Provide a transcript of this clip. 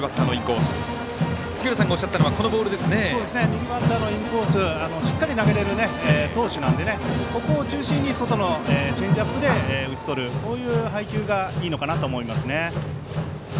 右バッターのインコースをしっかり投げてる投手なので、ここを中心に外のチェンジアップで打ち取るという配球がいいのかなと思います。